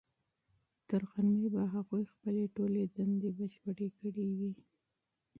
تر غرمې به هغوی خپلې ټولې دندې بشپړې کړې وي.